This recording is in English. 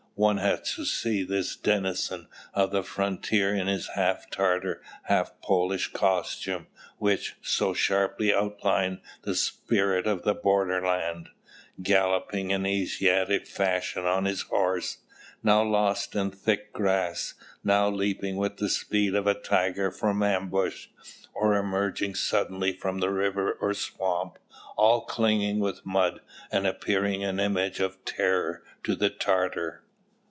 One has to see this denizen of the frontier in his half Tatar, half Polish costume which so sharply outlined the spirit of the borderland galloping in Asiatic fashion on his horse, now lost in thick grass, now leaping with the speed of a tiger from ambush, or emerging suddenly from the river or swamp, all clinging with mud, and appearing an image of terror to the Tatar...."